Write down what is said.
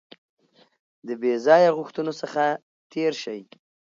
د بې ځایه غوښتنو څخه تېر شئ.